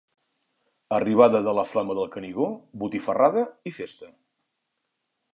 Arribada de la flama del Canigó, botifarrada i festa.